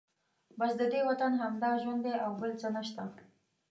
بس ددې وطن همدا ژوند دی او بل څه نشته.